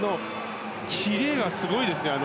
キレがすごいですね。